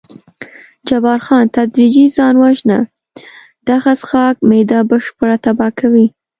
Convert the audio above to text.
جبار خان: تدریجي ځان وژنه، دغه څښاک معده بشپړه تباه کوي.